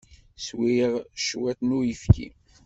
Swiɣ cwiṭ n uyefki.